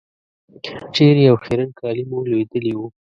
چېرې او خیرن کالي مو لوېدلي وو.